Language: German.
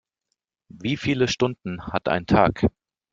Wie viele Stunden hat ein Tag?